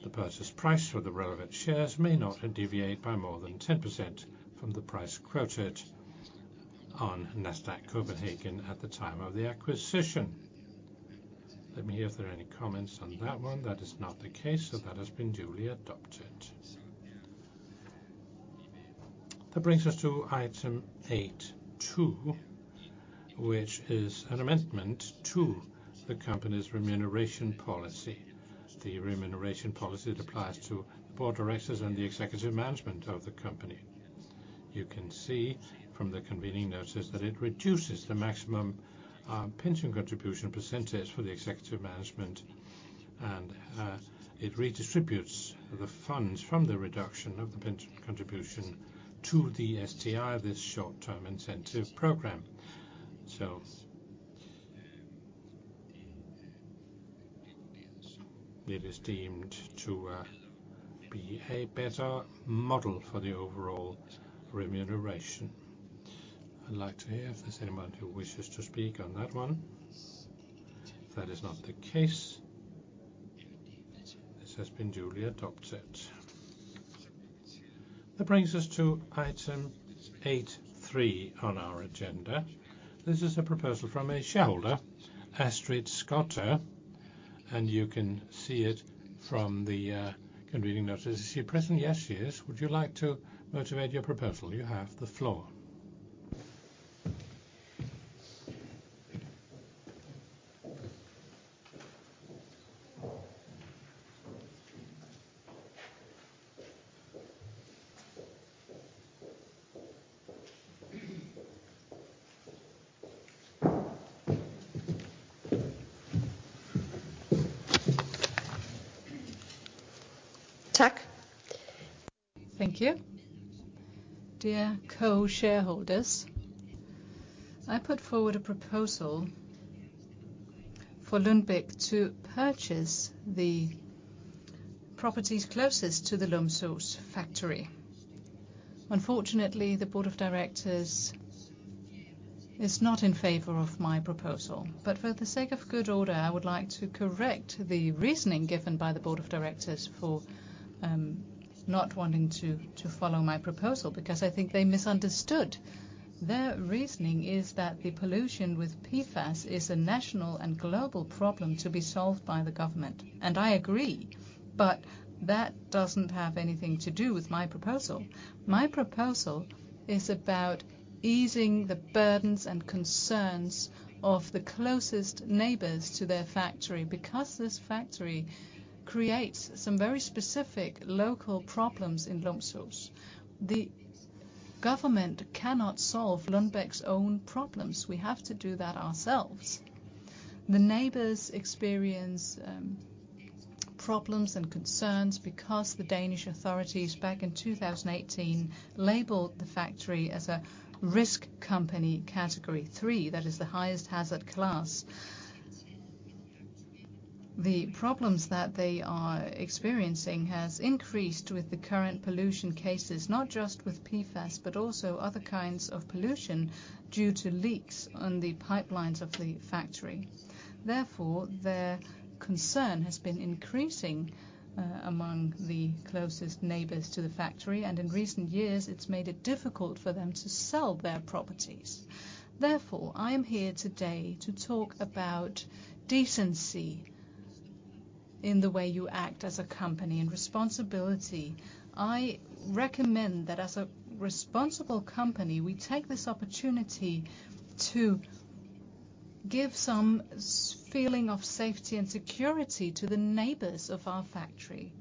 The purchase price for the relevant shares may not deviate by more than 10% from the price quoted on Nasdaq Copenhagen at the time of the acquisition. Let me hear if there are any comments on that one. That is not the case, so that has been duly adopted. That brings us to item eight two, which is an amendment to the company's remuneration policy. The remuneration policy that applies to the board of directors and the executive management of the company. You can see from the convening notice that it reduces the maximum pension contribution percentage for the executive management, and it redistributes the funds from the reduction of the pension contribution to the STI, this short-term incentive program. So, it is deemed to be a better model for the overall remuneration. I'd like to hear if there's anyone who wishes to speak on that one. That is not the case. This has been duly adopted. That brings us to item eight three on our agenda. This is a proposal from a shareholder, Astrid Skotte, and you can see it from the convening notice. Is she present? Yes, she is. Would you like to motivate your proposal? You have the floor. Thank you. Dear co-shareholders, I put forward a proposal for Lundbeck to purchase the properties closest to the Lumsås factory. Unfortunately, the board of directors is not in favor of my proposal, but for the sake of good order, I would like to correct the reasoning given by the board of directors for not wanting to follow my proposal, because I think they misunderstood. Their reasoning is that the pollution with PFAS is a national and global problem to be solved by the government, and I agree, but that doesn't have anything to do with my proposal. My proposal is about easing the burdens and concerns of the closest neighbors to their factory, because this factory creates some very specific local problems in Lumsås. The government cannot solve Lundbeck's own problems. We have to do that ourselves. The neighbors experience problems and concerns because the Danish authorities, back in two thousand and eighteen, labeled the factory as a risk company, category three. That is the highest hazard class. The problems that they are experiencing has increased with the current pollution cases, not just with PFAS, but also other kinds of pollution due to leaks on the pipelines of the factory. Therefore, their concern has been increasing among the closest neighbors to the factory, and in recent years, it's made it difficult for them to sell their properties. Therefore, I am here today to talk about decency in the way you act as a company and responsibility. I recommend that as a responsible company, we take this opportunity to give some feeling of safety and security to the neighbors of our factory.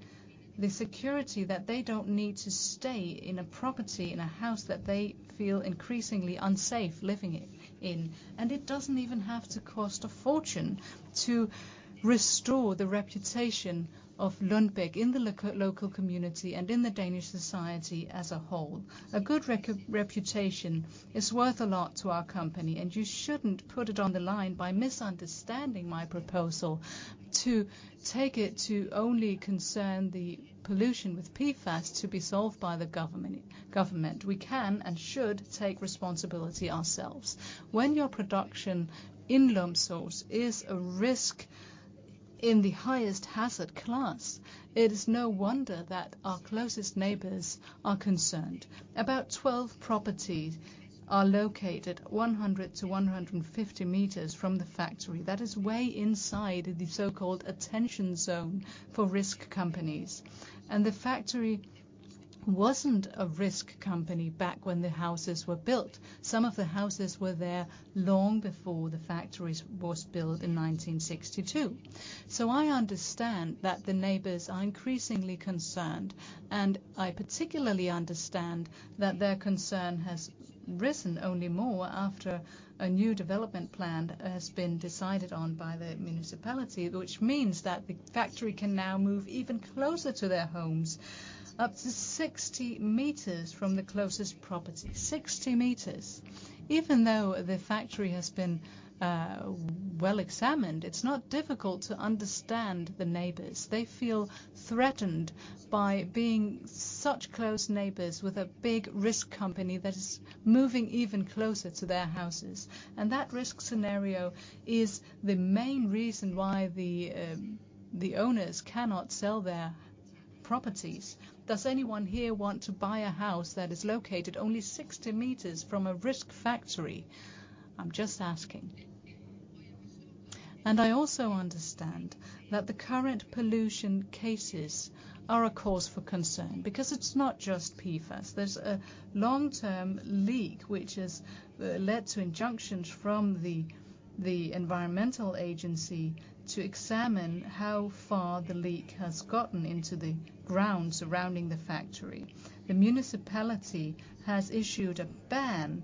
The security that they don't need to stay in a property, in a house that they feel increasingly unsafe living in. And it doesn't even have to cost a fortune to restore the reputation of Lundbeck in the local community and in the Danish society as a whole. A good reputation is worth a lot to our company, and you shouldn't put it on the line by misunderstanding my proposal to take it to only concern the pollution with PFAS to be solved by the government. We can and should take responsibility ourselves. When your production in Lumsås is a risk in the highest hazard class, it is no wonder that our closest neighbors are concerned. About 12 properties are located 100-150 meters from the factory. That is way inside the so-called attention zone for risk companies. And the factory wasn't a risk company back when the houses were built. Some of the houses were there long before the factories was built in 1962. So I understand that the neighbors are increasingly concerned, and I particularly understand that their concern has risen only more after a new development plan has been decided on by the municipality, which means that the factory can now move even closer to their homes, up to 60 meters from the closest property. 60 meters. Even though the factory has been well examined, it's not difficult to understand the neighbors. They feel threatened by being such close neighbors with a big risk company that is moving even closer to their houses. And that risk scenario is the main reason why the owners cannot sell their properties. Does anyone here want to buy a house that is located only sixty meters from a risk factory? I'm just asking, and I also understand that the current pollution cases are a cause for concern, because it's not just PFAS. There's a long-term leak, which has led to injunctions from the Environmental Agency to examine how far the leak has gotten into the ground surrounding the factory. The municipality has issued a ban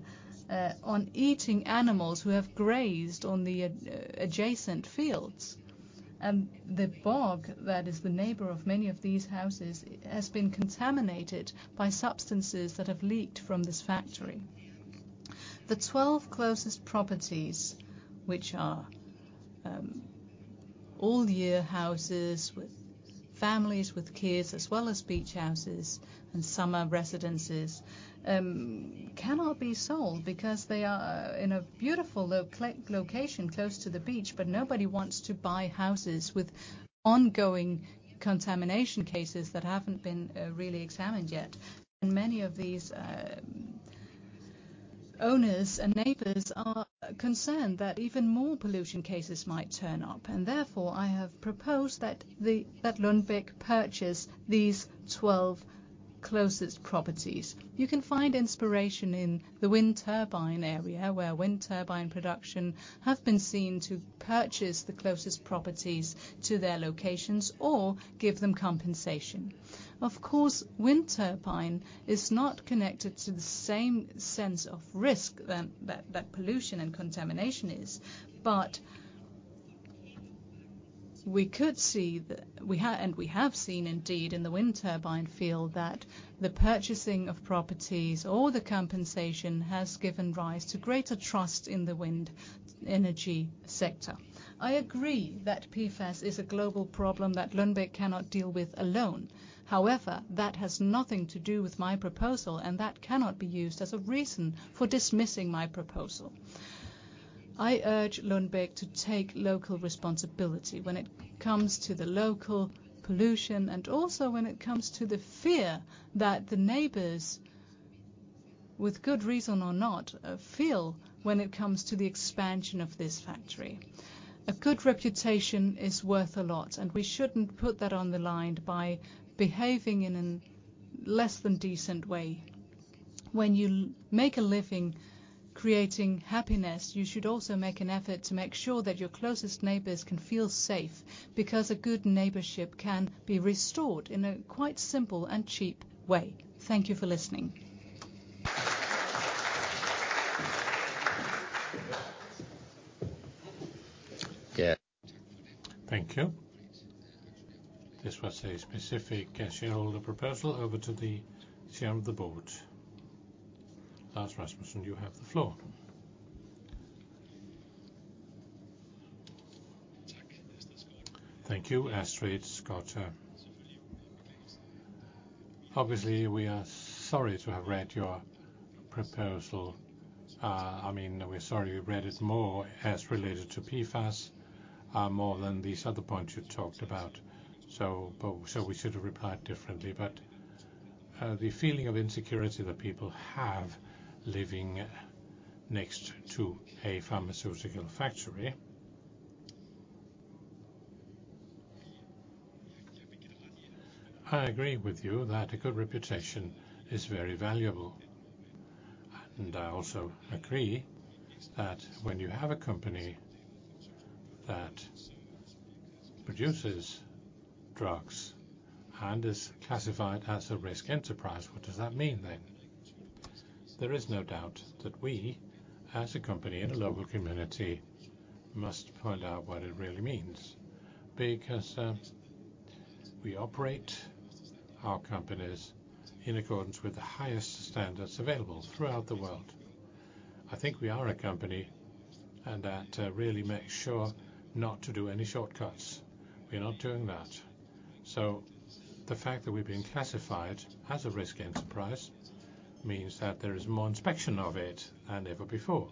on eating animals who have grazed on the adjacent fields. The bog, that is the neighbor of many of these houses, has been contaminated by substances that have leaked from this factory. The twelve closest properties, which are all-year houses with families, with kids, as well as beach houses and summer residences, cannot be sold because they are in a beautiful location, close to the beach, but nobody wants to buy houses with ongoing contamination cases that haven't been really examined yet. And many of these owners and neighbors are concerned that even more pollution cases might turn up, and therefore, I have proposed that that Lundbeck purchase these twelve closest properties. You can find inspiration in the wind turbine area, where wind turbine production have been seen to purchase the closest properties to their locations or give them compensation. Of course, wind turbine is not connected to the same sense of risk that pollution and contamination is, but we could see the... We have, and we have seen indeed in the wind turbine field, that the purchasing of properties or the compensation has given rise to greater trust in the wind energy sector. I agree that PFAS is a global problem that Lundbeck cannot deal with alone. However, that has nothing to do with my proposal, and that cannot be used as a reason for dismissing my proposal. I urge Lundbeck to take local responsibility when it comes to the local pollution, and also when it comes to the fear that the neighbors, with good reason or not, feel when it comes to the expansion of this factory. A good reputation is worth a lot, and we shouldn't put that on the line by behaving in a less than decent way. When you make a living creating happiness, you should also make an effort to make sure that your closest neighbors can feel safe, because a good neighborhood can be restored in a quite simple and cheap way. Thank you for listening. Yeah. Thank you. This was a specific shareholder proposal. Over to the chair of the board. Lars Rasmussen, you have the floor. Thank you, Astrid Skotte. Obviously, we are sorry to have read your proposal. I mean, we're sorry, we read it more as related to PFAS, more than these other points you talked about. So, but so we should have replied differently. But, the feeling of insecurity that people have living next to a pharmaceutical factory. I agree with you that a good reputation is very valuable, and I also agree that when you have a company that produces drugs and is classified as a risk enterprise, what does that mean then? There is no doubt that we, as a company in a local community, must point out what it really means, because we operate our companies in accordance with the highest standards available throughout the world. I think we are a company and that really makes sure not to do any shortcuts. We're not doing that. So the fact that we're being classified as a risk enterprise means that there is more inspection of it than ever before.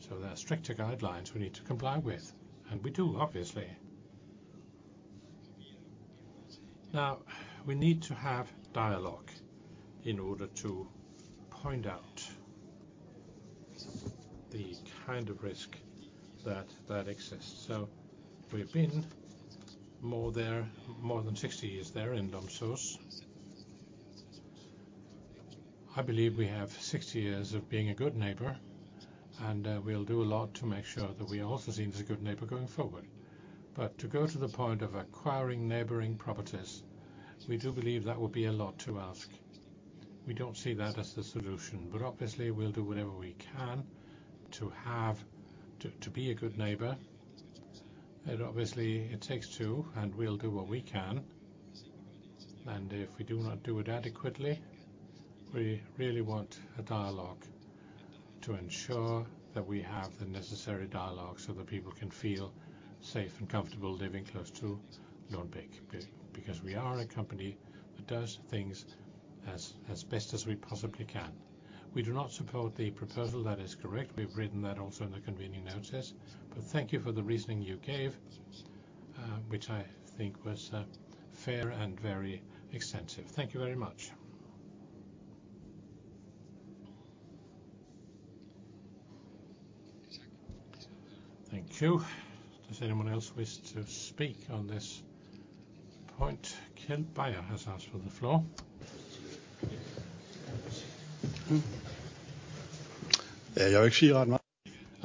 So there are stricter guidelines we need to comply with, and we do, obviously. Now, we need to have dialogue in order to point out the kind of risk that exists. So we've been there more than sixty years there in Lumsås. I believe we have 60 years of being a good neighbor, and we'll do a lot to make sure that we also seem as a good neighbor going forward. But to go to the point of acquiring neighboring properties, we do believe that would be a lot to ask. We don't see that as the solution, but obviously we'll do whatever we can to be a good neighbor. And obviously it takes two, and we'll do what we can. And if we do not do it adequately, we really want a dialogue to ensure that we have the necessary dialogue so that people can feel safe and comfortable living close to Lundbeck. Because we are a company that does things as best as we possibly can. We do not support the proposal, that is correct. We've written that also in the convening notice. But thank you for the reasoning you gave, which I think was, fair and very extensive. Thank you very much. Thank you. Does anyone else wish to speak on this point? Keld Beyer has asked for the floor. I'm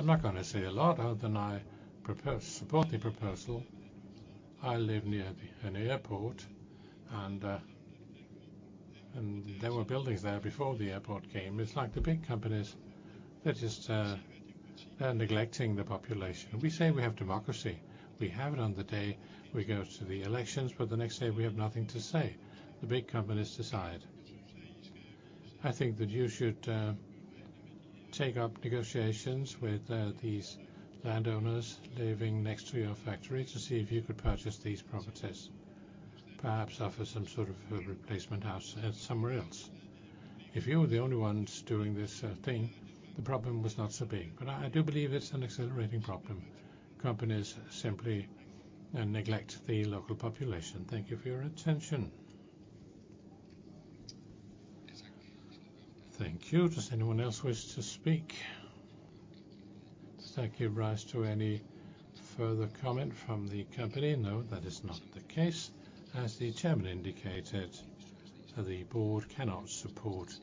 not gonna say a lot other than I propose, support the proposal. I live near an airport, and and there were buildings there before the airport came. It's like the big companies that just, are neglecting the population. We say we have democracy. We have it on the day we go to the elections, but the next day we have nothing to say. The big companies decide. I think that you should, take up negotiations with, these landowners living next to your factory to see if you could purchase these properties. Perhaps offer some sort of a replacement house, somewhere else. If you were the only ones doing this thing, the problem was not so big, but I do believe it's an accelerating problem. Companies simply neglect the local population. Thank you for your attention. Thank you. Does anyone else wish to speak? Does that give rise to any further comment from the company? No, that is not the case. As the chairman indicated, the board cannot support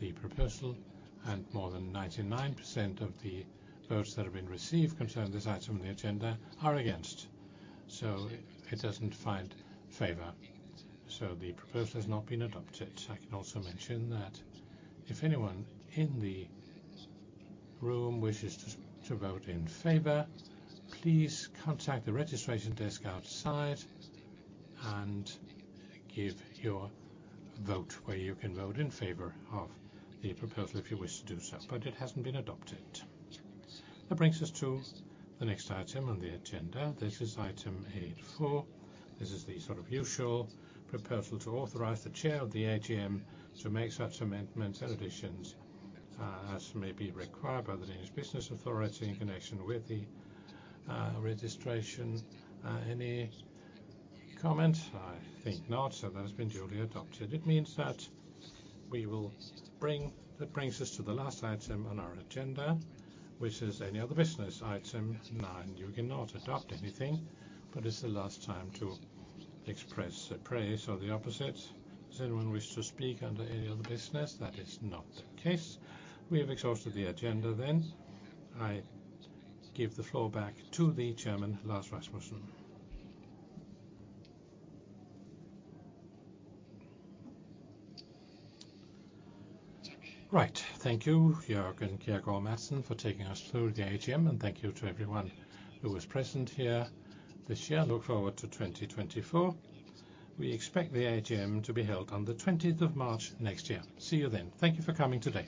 the proposal, and more than 99% of the votes that have been received concerning this item on the agenda are against. So it doesn't find favor, so the proposal has not been adopted. I can also mention that if anyone in the room wishes to vote in favor, please contact the registration desk outside and give your vote, where you can vote in favor of the proposal if you wish to do so, but it hasn't been adopted. That brings us to the next item on the agenda. This is item eight-four. This is the sort of usual proposal to authorize the chair of the AGM to make such amendments and additions, as may be required by the Danish Business Authority in connection with the registration. Any comments? I think not. So that has been duly adopted. It means that we will bring... That brings us to the last item on our agenda, which is any other business, item nine. You cannot adopt anything, but it's the last time to express a praise or the opposite. Does anyone wish to speak under any other business? That is not the case. We have exhausted the agenda then. I give the floor back to the chairman, Lars Rasmussen. Right. Thank you, Jørgen Kjergaard Madsen, for taking us through the AGM, and thank you to everyone who was present here this year. Look forward to twenty twenty-four. We expect the AGM to be held on the twentieth of March next year. See you then. Thank you for coming today.